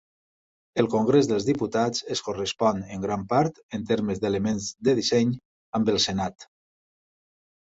El Congrés dels Diputats es correspon en gran part, en termes d'elements de disseny, amb el Senat.